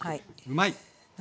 うまい！